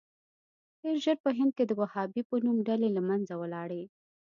ډېر ژر په هند کې د وهابي په نوم ډلې له منځه ولاړې.